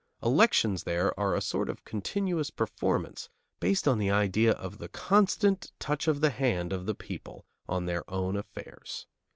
Elections there are a sort of continuous performance, based on the idea of the constant touch of the hand of the people on their own affairs.